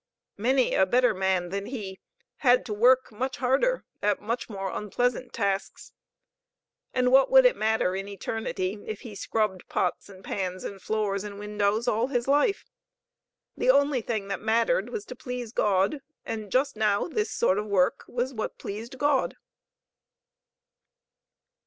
Many a better man than he had to work much harder, at much more unpleasant tasks. And what would it matter in eternity, if he scrubbed pots and pans and floors and windows all his life? The only thing that mattered was to please God, and just now this sort of work was what pleased God.